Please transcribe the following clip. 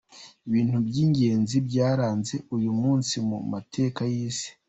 Ibintu by’ingenzzi byaranze uyu munsi mu mateka y’isi:.